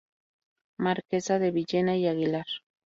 Marquesa de Villena y Aguilar.